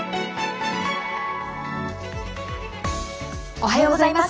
おはようございます。